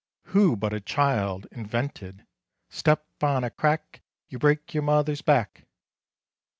Who but a child invented: "Step on a crack, you break your mother's back."